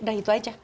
nah itu aja